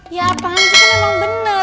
ya apaan sih kan emang benar